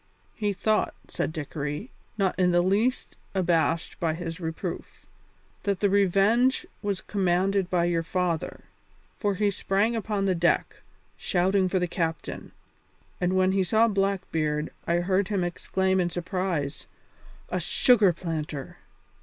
"He thought," said Dickory, not in the least abashed by his reproof, "that the Revenge was commanded by your father, for he sprang upon the deck, shouting for the captain, and when he saw Blackbeard I heard him exclaim in surprise, 'A sugar planter!'"